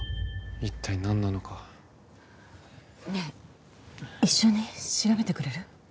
一体何なのかねえ一緒に調べてくれる？